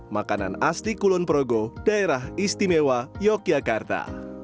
makanan asli kulon progo daerah istimewa yogyakarta